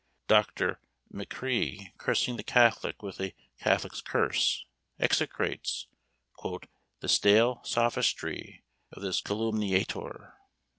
Dr. M'Crie, cursing the catholic with a catholic's curse, execrates "the stale sophistry of this calumniator."